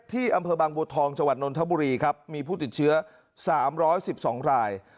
อำเภอบางบัวทองจังหวัดนนทบุรีครับมีผู้ติดเชื้อ๓๑๒ราย